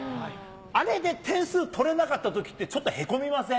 あれで点数取れなかったときって、ちょっとへこみません？